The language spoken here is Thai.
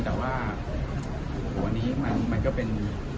แต่ว่าวันนี้มันก็เป็น